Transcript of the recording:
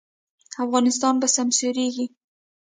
افغانستان به سمسوریږي